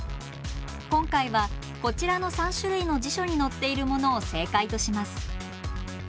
今回はこちらの３種類の辞書に載っているものを正解とします。